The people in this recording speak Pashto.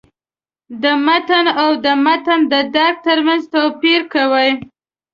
د «متن» او «د متن د درک» تر منځ توپیر کوي.